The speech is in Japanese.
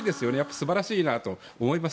素晴らしいなと思います。